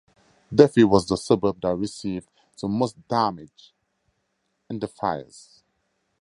Duffy was the suburb that received the most damage in the fires.